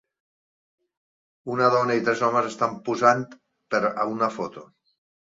Una dona i tres homes estan posant per a una foto